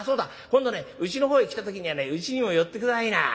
今度ねうちの方へ来た時にはねうちにも寄って下さいな。